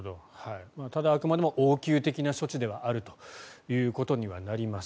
ただあくまでも応急的な措置ではあるということになります。